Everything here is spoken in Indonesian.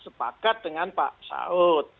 sepakat dengan pak saud